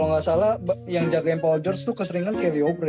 kalo gak salah yang jagain paul george tuh keseringan kelly oubre